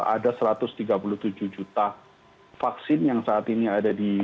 ada satu ratus tiga puluh tujuh juta vaksin yang saat ini ada di